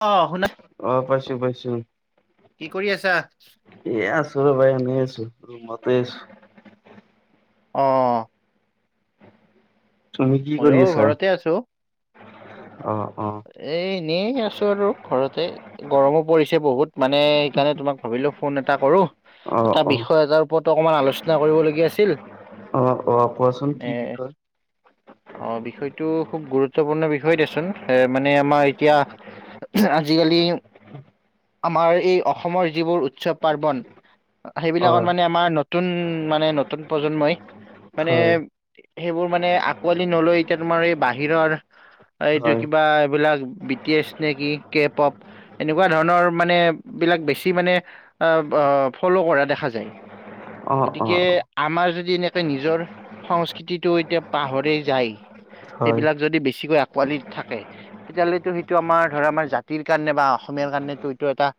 অ শুনা আহ পাইচো পাইচো। কি কৰি আছা? এয়া আছো ৰবা এনে আছোঁ ৰোমতে আছোঁ। অহ তুমি কি মইও কৰি আছা? ঘৰতে আছো অ অ এ এনেই আছো আৰু ঘৰতে। গৰমো পৰিছে বহুত মানে সেইকাৰণে তোমাক ভাবিলো ফোন এটা কৰোঁ। অ এটা অ বিষয় এটাৰ ওপৰতো অকমান আলোচনা কৰিবলগীয়া আছিল। অ অ কোৱাচোন কি এ বিষয? অ বিষয়টো খুব গুৰুত্বপূৰ্ণ বিষয় দেচোন। এ মানে আমাৰ এতিয়া আজিকালি! আমাৰ এই অসমৰ যিবোৰ উৎসৱ পাৰ্বণ। অ সেইবিলাকত মানে আমাৰ নতুন মানে নতুন প্ৰজন্মই মানে! হয় সেইবোৰ মানে আঁকোৱালি নলৈ এতিয়া তোমাৰ এই বাহিৰৰ এইটো! হয় কিবা এইবিলাক বি টি এছ নেকি কে পপ! এনেকুৱা ধৰণৰ মানে বিলাক বেছি মানে ফ'ল' কৰা দেখা যায়। অ অ গতিকে অ আমাৰ যদি এনেকে নিজৰ! সংস্কৃতিটো এতিয়া পাহৰি যায় হয় এইবিলাক যদি বেছিকৈ আঁকোৱালিত! থাকে তেতিয়া হ'লে সেইটো আমাৰ ধৰা আমাৰ জাতিৰ কাৰণে বা অসমীয়াৰ কাৰণেটো এইটো এটা!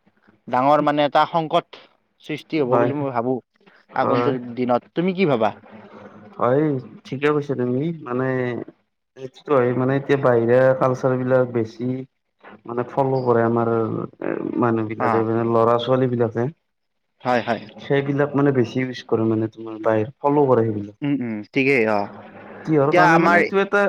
ডাঙৰ মানে এটা সংকট। সৃষ্টি হ'ব হয় বুলি মই ভাবো হয় আগন্তুক দিনত তুমি কি ভাবা? হয় ঠিকে কৈছা তুমি মানে! সেইটোতো হয় মানে এতিয়া বাহিৰা কালচাৰ বিলাক বেছি! মানে ফল' কৰে আমাৰ মানুহ অ বিলাকে মানে ল'ৰা ছোৱালী বিলাকে। হয় হয় সেইবিলাক মানে বেছি ইউজ কৰে মানে তোমাৰ বাহিৰ ফল' কৰে সেইবিলাক। ওম ওম ঠিকেই অ কিহৰ এতিয়া কাৰণে আমাৰ মানে এইটো এটা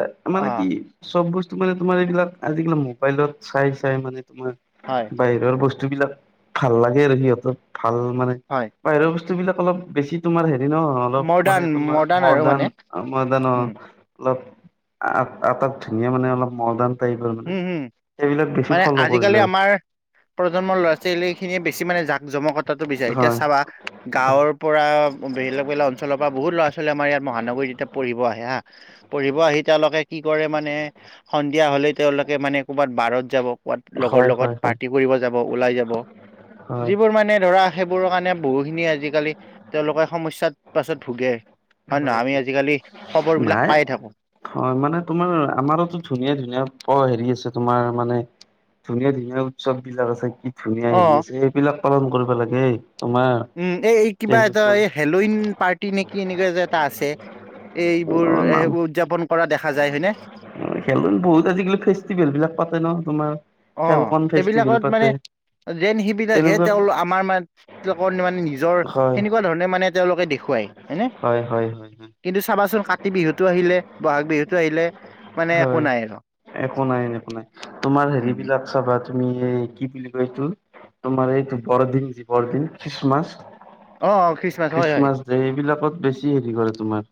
অ মানে কি? চব বস্তু মানে তোমাৰ এইবিলাক আজ কালি মোবাইলত চাই চাই মানে তোমাৰ। হয় বাহিৰৰ বস্তু বিলাক ভাল লাগে আৰু সিহঁতৰ ভাল মানে। হয় বাহিৰৰ বস্তু বিলাক অলপ বেছি তোমাৰ হে ন অলপ মডাৰ্ণ মানে তোমাৰ মডাৰ্ণ আৰু মানে মডাৰ্ণ। মডাৰ্ণ উম অলপ আ তাত ধুনীয়া মানে অলপ মডাৰ্ণ। টাইপৰ মানে হম হম সেইবিলাক বেছি মানে ফ'ল' আজিকালি কৰিলে। আমাৰ প্ৰজন্মৰ ল'ৰা ছোৱালী খিনিয়ে বেছি মানে জাক জমা কটটো বিচাৰে এতিয়া হয় চাবা গাঁৱৰ! পৰা বেলেগ বেলেগ অঞ্চলৰ পৰা বহুত ল'ৰা ছোৱালী আমাৰ ইয়াত মহানগৰীত যেতিয়া পঢ়িব আহে হা। পঢ়িব আহি তেওঁলোকে কি কৰে মানে সন্ধিয়া হলে তেওঁলোকে মানে ক'ৰবাত বাৰত যাব। ৱাত লগৰ হয় লগত হয় হয় পাৰ্টি কৰিব যাব ওলাই যাব হয় যিবোৰ মানে ধৰা! সেইবোৰৰ কাৰণে বহু খিনি আজিকালি তেওঁলোকে সমস্যাত পাছত ভোগে। হয় নে নহয় আমি আজিকালি খবৰ বিলাক নাই পায়ে থাকো। হয় মানে তোমাৰ আমাৰোতো ধুনীয়া ধুনীয়া প হেৰি আছে তোমাৰ মানে! ধুনীয়া ধুনীয়া উৎসৱ বিলাক আছে কি ধুনীয়া অ হেৰি আছে এইবিলাক পালন কৰিব লাগে তোমাৰ। উম এ এই কিবা এটা তেনেকুৱা এই হেলইন পাৰ্টি নেকি এনেকুৱা যে! আছে এইবোৰ অ উদযাপন কৰা দেখা যায় হয়নে? খেলোন বহুত আজিকালি ফেষ্টিভেল বিলাক পাতে ন তোমাৰ। অ খেলখন ফেষ্টিভেল সেইবিলাকত মানে! পাতে যেন সেই বিলাক সে তেনেকুৱা তেওঁলোক আমাৰ মানুহবিলাকৰ মানে নিজৰ হয় সেনেকুৱা ধৰণে মানে! তেওঁলোকে দেখুৱাই হয়নে হয় হয় হয় হয় কিন্তু চাবাচোন কাতি বিহুতটো আহিলে বহাগ বিহুতটো আহিলে মানে একো হয় নাই আৰু। একো নাই একো নাই তোমাৰ উম হেৰি উম। বিলাক। চাবা তুমি কি বুলি কয় এইটো তোমাৰ এইটো বৰদিন যি বৰদিন খ্ৰীষ্টমাছ অ অ খ্ৰীষ্টমাছ হয় হয়। যে এইবিলাকত বেছি হেৰি কৰে তোমাৰ!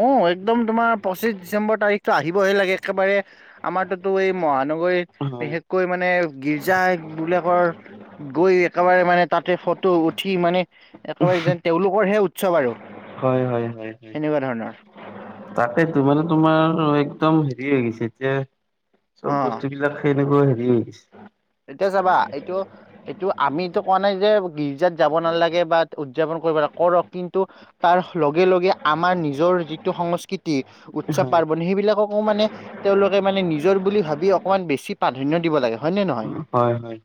অ একদম তোমাৰ পঁচিশ ডিচেম্বৰ তাৰিখটো আহিবহে লাগে একেবাৰে আমাৰতোতো এই মহানগৰ। গৈ হয় বিশেষকৈ মানে গীৰ্জা বিলাকৰ গৈ। একেবাৰে মানে তাতে ফটো উঠি মানে! একেবাৰে যেন তেওঁলোকৰহে উৎসৱ আৰু সেনেকুৱা ধৰণৰ। তাকেই টো মানে তোমাৰ একদম হেৰি হৈ গৈছে এতিয়া। চব অ', বস্তু বিলাক সেনেকুৱা হেৰি হৈ গিছ। এতিয়া চাবা এইটো! এইটো আমিটো কোৱা নাই যে গীৰ্জাত যাব নালাগে বা উদযাপন কৰি নালাগে কৰক কিন্তু! তাৰ লগে লগে আমাৰ নিজৰ যিটো সংস্কৃতি উৎসৱ পাৰ্বন সেইবিলাকক! মৌ মানে তেওঁলোকে মানে নিজৰ বুলি ভাবি অকমান বেছি প্ৰাধান্য দিব লাগে হয় নে নে নহয়? হয় হয়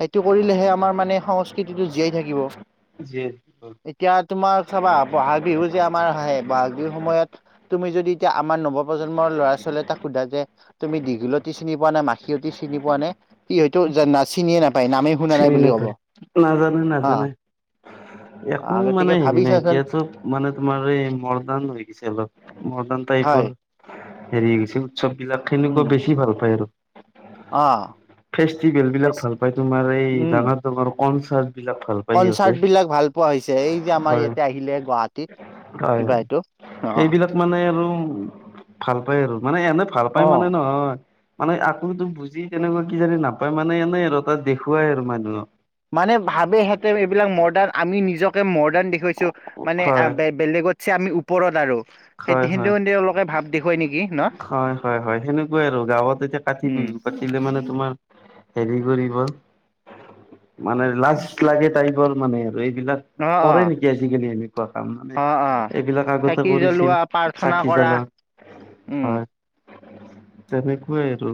সেইটো কৰিলেহে আমাৰ মানে সংস্কৃতিটো জীয়াই থাকিব। উম্ এতিয়া তোমাৰ চাবা বহাগ বিহু যে আমাৰ আহে বহাগ বিহুৰ সময়ত তুমি যদি এতিয়া আমাৰ নৱ। প্ৰজন্মৰ ল'ৰা ছোৱালীয়ে তাক সোধা যে তুমি দীঘলতি চিনি পোৱা নাই মাখিয়তি চিনি পোৱা নে? সি হয়তো যে চিনিয়ে নেপায়। চিনি নাপায় নাজানে নাজানে। হা একো গতিকে মানে হেৰি ভাবি নাই চাচোন এতিয়া চব মানে তোমাৰ এই মৰ্ডাৰ্ণ হৈ গৈছে। অলপ মডাৰ্ণ হয় টাইপৰ হেৰি গছে উৎসৱ বিলাক সেনেকুৱা উম বেছি ভাল পায় আৰু! অ ফেষ্টিভেল বিলাক ভাল পাই তোমাৰ এই উম ডাঙৰ। তোমাৰ কনচাৰ্ট বিলাক ভাল পায়। সিহঁতে। কনচাৰ্ট বিলাক ভাল পোৱা হৈছে এই যে আমাৰ হয় ইয়াতে আহিলে গুৱাহাটীতত। হয় কিবা হয় এইটো অ সেইবিলাক মানে আৰু ভাল পাই আৰু মানে এনে ভাল পায় অ মানে নহয়। মানে আকৌ বুজি তেনেকুৱা কিজানি নাপায় মানে এনেই আৰু তাত দেখুৱাই আৰু মানুহক। মানে ভাবেহেঁতে এইবিলাক মডাৰ্ণ আমি নিজকে মডাৰ্ণ দেখুৱাইছো মানে হয় বেলেগতত। চে আমি ওপৰত আৰু হয় সেই হয় সেই তেওঁলোকে ভাৱ দেখুৱাই নেকি ন? হয় হয় হয় সেনেকুৱাই আৰু গাঁৱত যেতিয়া কাতি উম বিহু। পাতিলে মানে তোমাৰ হেৰি কৰিব। মানে লাষ্ট লাগে টাইপৰ মানে আৰু এইবিলাকক। অ অ কৰে নেকি আজি কালি এনেকুৱা কাম মানে অ অ এইবিলাক আগতে চাকি কৰিছে। চিল জ্বলোৱা প্ৰাৰ্থনা চাকি কৰা জ্বলা উম হয় তেনেকুৱাই আৰু!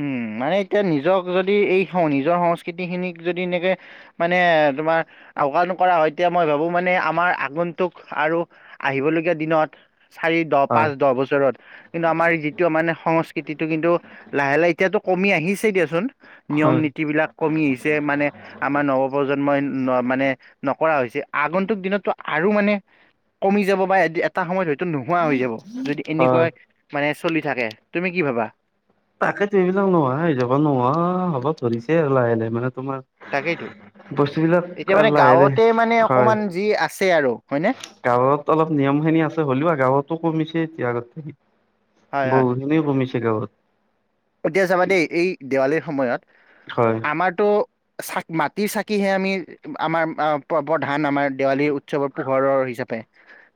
উম মানে এতিয়া নিজক যদি এই নিজৰ সংস্কৃতি খিনিক যদি এনেকে! মানে তোমাৰ আউকান কৰা হয় এতিয়া মই ভাবো মানে আমাৰ আগন্তন্তুক আৰু! আহিব লগীয়া দিনত! চাৰি দহ হয় পাঁচ দহ বছৰত কিন্তু আমাৰ যিটো মানে সংস্কৃতিটো কিন্তু! লাহে লাহে এতিয়াতো কমি আহিছে দিয়াচোন নিয়ম হয় নীতি বিলাক কমি আহিছে মানে! আমাৰ নৱপ্ৰজন্মই ন মানে নকৰা হৈছে আগন্তুক দিনতো আৰু মানে! কমি যাব বা এদিয়াত! এটা সময়ত হয়তো নোহোৱা হৈ যাব যদি এনেকুৱা হয় মানে চলি থাকে তুমি কি ভাবা? তাকেতো এইবিলাক নোহয় যাব নোৱাৰা হ'ব ধৰিছে আৰু লাহে লাহে মানে তাকেইতো তোমাৰ। বস্তু বিলাক এতিয়া মানে লাহে দে গাঁৱতে মানে হয়। অকমান যি আছে আৰু হয় নে? গাঁৱত অলপ নিয়ম খিনি আছে হ'লেও গাঁৱতো কমিছে এতিয়া আগতে হয় হয়। বহুত। কোনে কমিছে গাঁৱত। এতিয়া যাবা দেই এই দেৱালীৰ সময়ত। হয় আমাৰতো চাক মাটিৰ চাকিহে আমি আমাৰ প্ৰধান আমাৰ দেৱালীৰ উ। উৎসৱৰ পোহৰৰ হিচাপে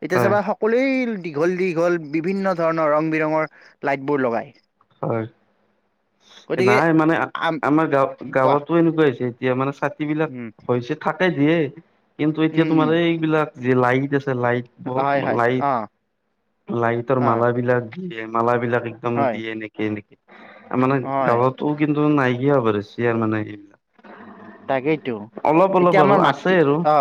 এতিয়া হয় চাবা সকলোৱেইল। দীঘল দীঘল বিভিন্ন ধৰণৰ ৰং বিৰঙৰ লাইট বোৰ লগাই। হয় নাই মানে আম আমাৰ গাঁৱ কোৱা গাঁৱতো এনেকুৱা হৈছে এতিয়া মানে ছাতি বিলাক উম। হৈছে। থাকে দিয়ে কিন্তু এতিয়া উম উম তোমাৰ এইবিলাক যে লাইট আছে লাইট। অপ্ হয় হয় লাইট অ লাইটৰ অ মাল বিলাক দিয়ে মালাবলাক একদম হয় দিয়ে নকি। নেকি মানে হয় গৱতো কিন্তু নাইকিয়া হ'বাৰছে মানে এইবিলাক। তাকেইতো অলপ অলপ এতিয়া আৰু আমাৰ আছে মাটি আৰু অ'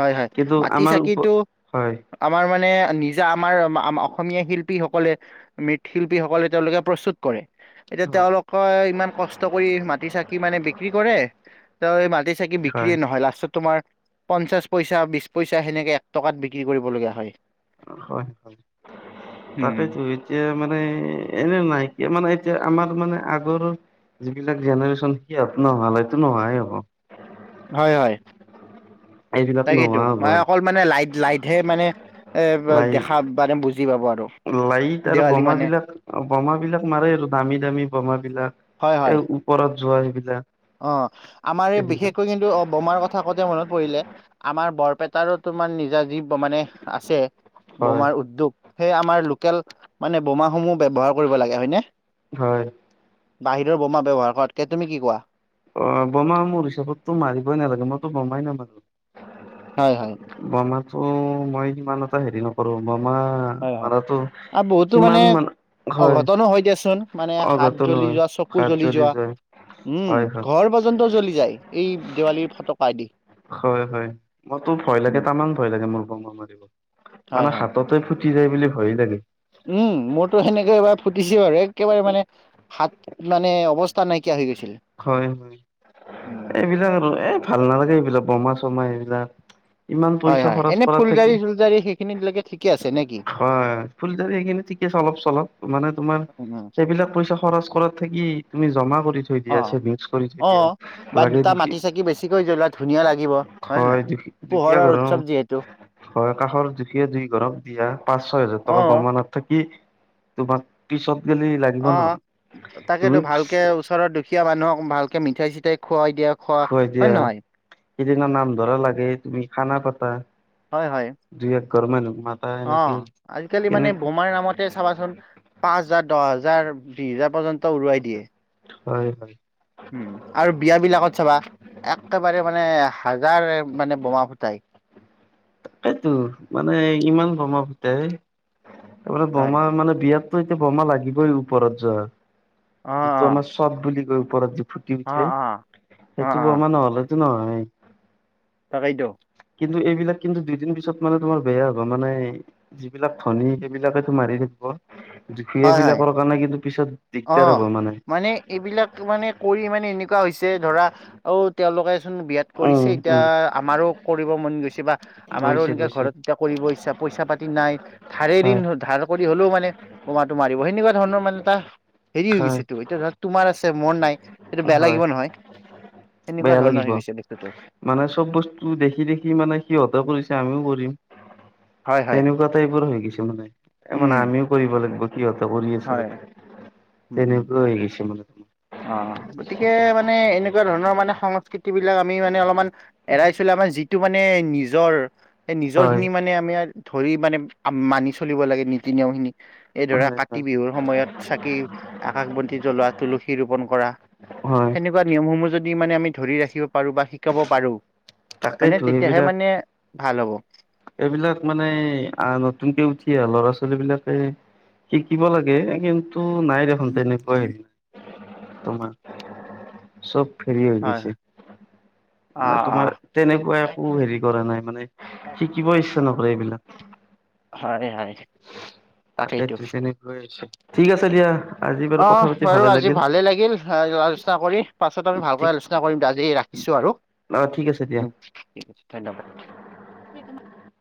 হয় হয় কিন্তু মাটি আমাৰ ওপ চাকিটো। হয় আমাৰ মানে নিজা আমাৰ অসমীয়া শিল্পীসকলে! মৃৎ শিল্পীসকলে তেওঁলোকে প্ৰস্তুত কৰে। এতিয়া হয় তেওঁলোকে ইমান কষ্ট কৰি মাটি চাকি মানে বিক্ৰী কৰে তেওঁ এই মাটি। চাকি হয় বিক্ৰিয়ে নহয় লাষ্টত তোমাৰ। পঞ্চাশ পইচা বিশ পইচা সেনেকে এক টকাত বিক্ৰি কৰিবলগীয়া হয়। হয় উম তাকেইটো এতিয়া মানে এনে নাইকিয়া মানে এতিয়া আমাৰ মানে আগৰ! যিবিলাক জেনেৰেশ্যন সিহঁত নহলেতো নোহোৱাই হ'ব। হয় হয়। এইবিলাক তাকেইটো, নোহোৱা হ'ব মানে অকল মানে লাইট লাইটহে মানে! এ লাইট দেখা মানে বুজি পাব আৰু। লাইট আৰু দেৱালী বোমা মানে বিলাক। অ' বোমা বিলাক মাৰে আৰু দামী দামী বোমা হয় বিলাক হয় এই ওপৰত যোৱা সেইবিলাক। অ', আমাৰ এই এইবিলাক বিশেষকৈ কিন্তু অ' বোমাৰ কথা। কওঁতে মনত পৰিলে আমাৰ বৰপেটাৰো তোমাৰ নিজা যি মানে আছে। হয় বোমাৰ উদ্যোগ সেয়ে আমাৰ লোকেল মানে বোমাস সমূহ ব্যৱহাৰ কৰিব লাগে হয় নে? হয় বাহিৰৰ বোমা ব্যৱহাৰ কৰাতকে, তুমি কি কোৱা? অ', বোমা মোৰ হিচাপততো মাৰিবই নালাগে মইতো বোমাই নামাৰো। হয় হয়। বোমাটো মই সিমান এটা হেৰি নকৰো বমা। হয় হয় মাৰাটো আৰু বহুতো মানে সিমান মানে হয়, অঘটনো দিয়াচোন মানে হাত অঘটন জ্বলি হয়। যোৱা চকু হাত জ্বলি যোৱা যায়। উম, হয় হয় ঘৰ পৰ্যন্ত জ্বলি যায় এই দেৱালীৰ ফটকাদি। হয় হয় মইতো ভয় লাগে তামান ভয় লাগে মোৰ বমা মাৰিব হয় মানে হয় হাতত! তই ফুটি যায় বুলি ভয়ে লাগে। উম, মোৰতো সেনেকে এবাৰ ফুটিছে বাৰু একেবাৰে মানে। হাত মানে অৱস্থা নাইকিয়া হৈ গৈছিল। হয় হয়, উম এইবিলাক আৰু এ ভাল নালাগে এইবিলাক বোমা চমা এইবিলাক। ইমান হয়, পইচা হয়, খৰচ এনে কৰাত থাকি ফুলজাৰি চুলজাৰি সেইখিনিত লৈকে ঠিকে আছে নেকি? হয় ফুলি সেইখিনি ঠিকে অলপ চলপ। মানে তোমাৰ উম সেইবিলাক পইচা খৰচ কৰাত থাকি তুমি জমা কৰি থ। অ' অ', বা লাগে দুটা দুখী মাটি চাকি বেছিকৈ জ্বলোৱা ধুনীয়া লাগিব হয় নে নাই। দুখী দুখীয়া পোহৰৰ ঘৰৰ উৎসৱ যিহেতু। হয় কাষৰ জোখীয়ে দুই ঘৰক দিয়া পাঁচ ছয় হাজাৰ অ টকা বমা আনাত থাকি তোমাক। পিছক গেলি লাগে। অ', তাকেতো ভালকে ওচৰৰ দুখীয়া মানুহক ভালকে মিঠাই চিঠাই খুৱাই দিয়ক। খোৱাই দিয়া সিদিনা নাম ধৰা লাগে তুমি খানা পাতা। হয় হয়। দুই একঘৰ মানুহ মাত। অ', আজিকালি মানে বোমাৰ নামত! চাবাচোন পাঁচ হাজাৰ, দহ হাজাৰ, বিশ হাজাৰ পৰ্যন্ত উৰুৱাই দিয়ে। হয় হয় উম, আৰু বিয়া বিলাকত চাবা একেবাৰে মানে হাজাৰ মানে বোমা ফুটাই। সেইটো মানে ইমান বমা ফুটায় এইবোৰ হয় বোমা মানে বিয়াত! এতিয়া বোমা লাগিবই ওপৰত যোৱা অ যিটো আমাৰ অ চব বুলি কয় ওপৰত। ফুটি অ উঠে অ অ সেইটো অ বমা নহলেতো নহয়ে। তাকেইতো কিন্তু এইবিলাক কিন্তু দুইদিন পিছত মানে তোমাৰ বেয়া হ'ব মানে যিবিলাক ধনী সেইবিলাকেটো মাৰি থাকিব। দুখিয়া হয় হয় বিলাকৰ কাৰণে কিন্তু পিছত! অ দিগদাৰ হ'ব মানে এইবিলাক মানে কৰি মানে এনেকুৱা হৈছে ধৰা! অ তেওঁলোকেচোন বিয়াত কৰিছে উম এতিয়া উম আমাৰো কৰিব মন গৈছে বা! আমাৰো গৈছে এনেকে গৈছে ঘৰত এতিয়া কৰিব ইচ্ছা পইচা পাতি নাই ধাৰে ঋণ হয় ধাৰ কৰি হ'লেও মানে! উমাটো মাৰিব সেনেকুৱা ধৰণৰ মানে এটা হেৰি হৈ হয় গৈছে টো এতিয়া ধৰা তোমাৰ আছে মোৰ নাই। সেইটো বেয়া হয় লাগিব নহয় সেনেকুৱা বেয়া ধৰণৰ লাগিব হৈ গৈছে বস্তুটো। মানে চব বস্তু দেখি দেখি মানে সিহঁতে কৰিছে আমিও কৰিম। হয় হয় তেনেকুৱা এইবোৰ হৈ গৈছে মানে উম মানে আমিও কৰিব লাগিব। সিহঁতে কৰি হয় আছে উম উম তেনেকৈ হৈ গৈছে মানে। অ গতিকে মানে এনেকুৱা ধৰণৰ মানে সংস্কৃতি বিলাক আমি মানে অলমান! এৰাই চিলে আমাৰ যিটো মানে নিজৰ সেই নিজৰ হয় খিনি মানে আমি! ধৰি মানে মানি চলিব লাগে নীতি নিয়ম খিনি এই ধৰা! হয় হয় বিহুৰ সময়ত চাকি আকাশ বন্তি জ্বলোৱা তুলসী ৰোপন কৰা। হয় সেনেকোৱা নিয়মসমূহ যদি মানে আমি ধৰি ৰাখিব পাৰোঁ বা! শিকাব পাৰোঁ হয়নে তাকেইতো তেতিয়াহে এইবিলাক মানে ভাল হ'ব। এইবিলাক মানে আহ নতুনকে উঠি আহ ল'ৰা ছোৱালী বিলাকে! শিকিব লাগে কিন্তু নাই দেখোন তেনেকোৱা হেৰি। তোমাৰ চব ফিৰি হৈ হয়। গৈছে। মানে অ', তোমাৰ অ', তেনেকুৱা এক একো হেৰি মিনিট কৰা নাই মানে এক মিনিট। শিকিব ইচ্ছা নকৰে এইবিলাক। হয় দেই হয়। তাকেইতো তাকেইটো তেনেকৈ আছে ঠিক আছে দিয়া। আজি বাৰু অ কথা পাতি বাৰু আজি লাগিল। ভালে লাগিল আলোচনা কৰি পাছত আমি ঠিক ভালকৈ আলোচনা কৰিম আজি ৰাখিছো আৰু। অ ঠিক আছে দিয়া। উম, ঠিক আছে ধন্যবাদ।